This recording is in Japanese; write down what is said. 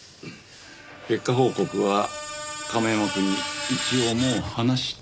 結果報告は亀山くんに一応もう話した。